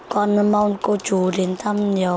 con mong cô chú đến thăm nhiều